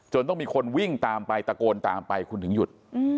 ต้องมีคนวิ่งตามไปตะโกนตามไปคุณถึงหยุด